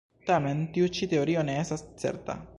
Tamen tiu ĉi teorio ne estas certa.